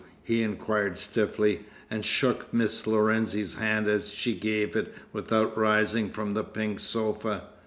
he inquired stiffly, and shook Miss Lorenzi's hand as she gave it without rising from the pink sofa.